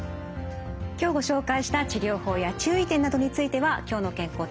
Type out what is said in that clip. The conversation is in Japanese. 今日ご紹介した治療法や注意点などについては「きょうの健康」